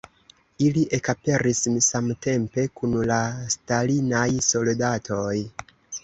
Ili ekaperis samtempe kun la stalinaj soldatoj.